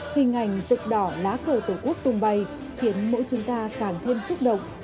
hình ảnh rực đỏ lá cờ tổ quốc tung bay khiến mỗi chúng ta càng thêm xúc động